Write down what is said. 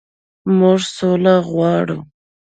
موږ سوله غواړو.